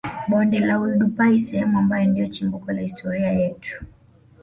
Bonde la Oldupai sehemu ambayo ndio chimbuko la historia yetu